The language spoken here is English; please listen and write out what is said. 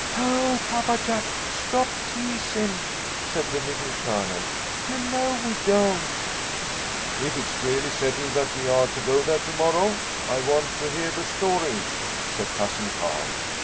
"Oh, Papa Jack, stop teasin'!" said the Little Colonel. "You know we don't!" "If it is really settled that we are to go there to morrow, I want to hear the story," said Cousin Carl.